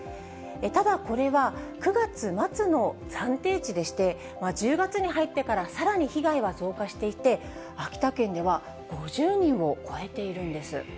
ただ、これは９月末の暫定値でして、１０月に入ってから、さらに被害は増加していて、秋田県では５０人を超えているんです。